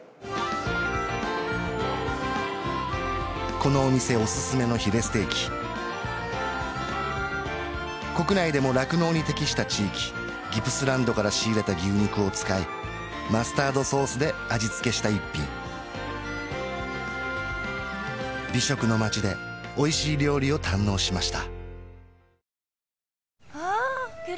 このお店おすすめのヒレステーキ国内でも酪農に適した地域ギプスランドから仕入れた牛肉を使いマスタードソースで味付けした一品美食の街でおいしい料理を堪能しました